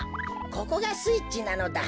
ここがスイッチなのだ。